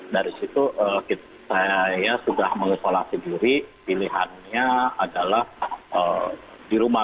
dari situ saya sudah mengisolasi diri pilihannya adalah di rumah